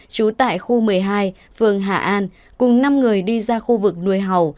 trú tại khu một mươi hai phường hà an cùng năm người đi ra khu vực nuôi hầu